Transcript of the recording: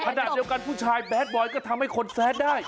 ขณะเดียวกันผู้ชายแบดบอยก็ทำให้คนแซดได้